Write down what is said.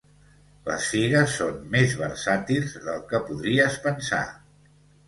Les figues són més versàtils del que podries pensar